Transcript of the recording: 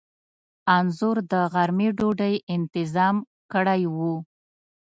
انځور د غرمې ډوډۍ انتظام کړی و.